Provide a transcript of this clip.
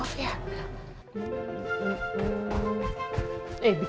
eh bikin canggih aja